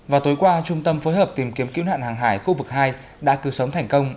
và tối qua trung tâm phối hợp tìm kiếm kiếm nạn hàng hải khu vực hai đã cư sống thành công